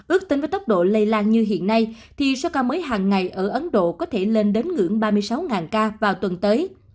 ước tính với tốc độ lây lan như hiện nay thì số ca mới hàng ngày ở ấn độ có thể lên đến ngưỡng ba mươi sáu ca vào tuần tới